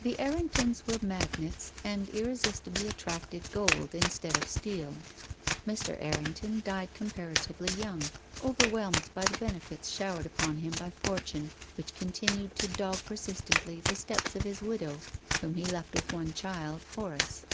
The Erringtons were magnets, and irresistibly attracted gold instead of steel. Mr. Errington died comparatively young, overwhelmed by the benefits showered upon him by Fortune, which continued to dog persistently the steps of his widow, whom he left with one child, Horace.